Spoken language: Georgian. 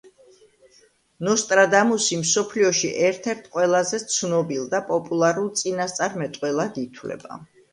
ნოსტრადამუსი მსოფლიოში ერთ-ერთ ყველაზე ცნობილ და პოპულარულ წინასწარმეტყველად ითვლება.